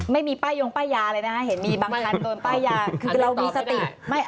ไม่มีป้ายงงป้ายยาเลยนะฮะเห็นมีบางครรภ์โดนป้ายยา